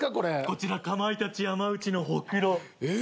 こちらかまいたち山内のほくろ。え？え？